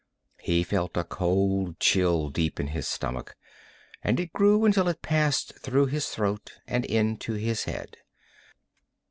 He felt a cold chill deep in his stomach, and it grew until it passed through his throat and into his head.